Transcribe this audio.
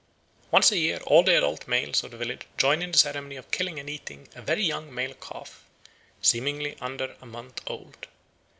Once a year all the adult males of the village join in the ceremony of killing and eating a very young male calf seemingly under a month old.